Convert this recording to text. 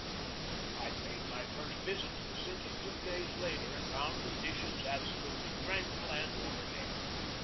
I paid my first visit to the city two days later, and found conditions absolutely tranquil and orderly.